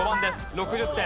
６０点。